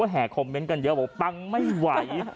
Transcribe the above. แห่คอมเมนต์กันเยอะบอกปังไม่ไหว